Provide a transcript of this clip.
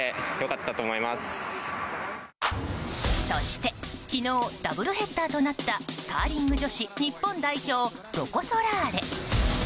そして、昨日ダブルヘッダーとなったカーリング女子日本代表ロコ・ソラーレ。